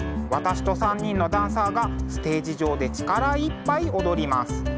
私と３人のダンサーがステージ上で力いっぱい踊ります。